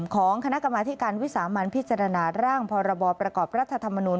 ของคณะกรรมธิการวิสามันพิจารณาร่างพรบประกอบรัฐธรรมนุน